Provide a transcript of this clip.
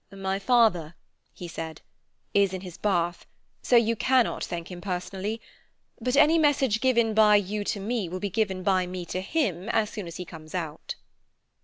"My father," he said, "is in his bath, so you cannot thank him personally. But any message given by you to me will be given by me to him as soon as he comes out."